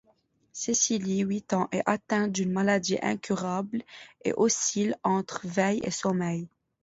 Cécilie, huit ans, est atteinte d'une maladie incurable et oscille entre veille et sommeil.